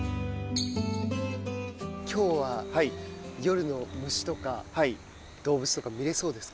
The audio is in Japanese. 今日は夜の虫とか動物とか見れそうですか？